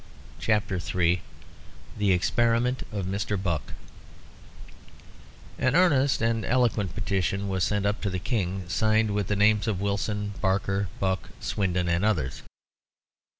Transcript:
CHAPTER III The Experiment of Mr. Buck An earnest and eloquent petition was sent up to the King signed with the names of Wilson, Barker, Buck, Swindon, and others.